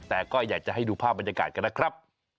แต่ก็อยากจะให้ดูภาพบรรยากาศกันนะครับ